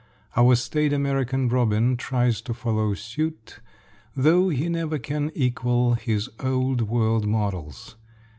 Our staid American robin tries to follow suit, though he never can equal his old world models.